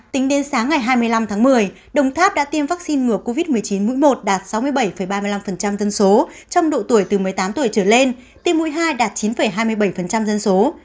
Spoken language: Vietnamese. tính đến sáng ngày hai mươi năm tháng một mươi đồng tháp đã tiêm vaccine ngừa covid một mươi chín mũi một đạt sáu mươi bảy ba mươi năm dân số trong độ tuổi từ một mươi tám tuổi trở lên tiêm mũi hai đạt chín hai mươi bảy dân số